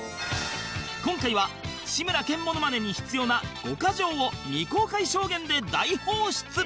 今回は志村けんモノマネに必要な５カ条を未公開証言で大放出